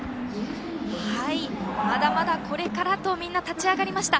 まだまだこれからとみんな立ち上がりました。